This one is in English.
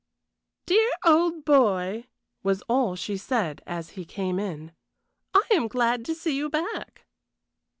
"Dear old boy!" was all she said as he came in. "I am glad to see you back."